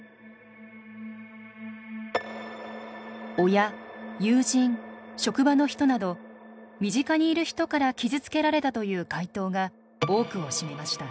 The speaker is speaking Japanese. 親友人職場の人など身近にいる人から傷つけられたという回答が多くを占めました。